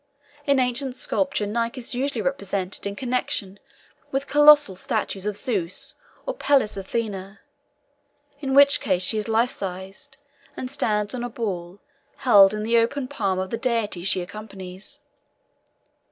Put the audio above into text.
In ancient sculpture, Nike is usually represented in connection with colossal statues of Zeus or Pallas Athene, in which case she is life sized, and stands on a ball, held in the open palm of the deity she accompanies.